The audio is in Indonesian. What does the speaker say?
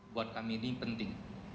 buat kami ini penting